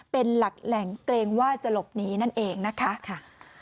เป็นหลักแหล่งเกรงว่าจะหลบหนีนั่นเองนะคะ